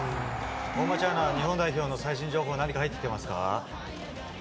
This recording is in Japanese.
大町アナ、日本代表の最新情報、何か入ってきてますか。